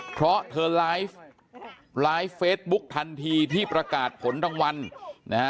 เพราะเธอไลฟ์เฟสบุ๊คทันทีที่ประกาศผลทั้งวัน